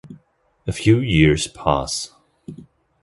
A few years pass.